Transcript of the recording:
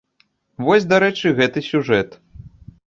Вось, дарэчы, гэты сюжэт.